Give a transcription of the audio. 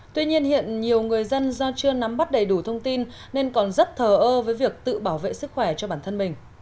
tuy nhiên hiện nhiều người dân do chưa nắm bắt đầy đủ thông tin nên còn rất thờ ơ với việc tự bảo vệ sức khỏe cho bản thân mình